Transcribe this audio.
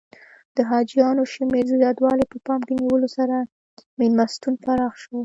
د حاجیانو د شمېر د زیاتوالي په پام کې نیولو سره میلمستون پراخ شو.